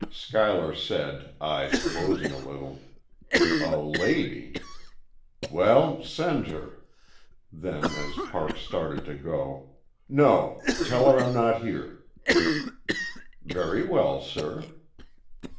Schuyler said, eyes closing a little: "A lady." "Well, send her " Then, as Parks started to go: "No, tell her I'm not here." "Very well, sir."